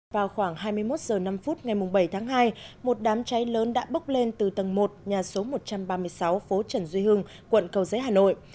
vào khoảng hai mươi một h năm ngày bảy tháng hai một đám cháy lớn đã bốc lên từ tầng một nhà số một trăm ba mươi sáu phố trần duy hưng quận cầu giấy hà nội